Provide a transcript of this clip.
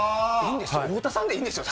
だから太田さんでいいんですよ！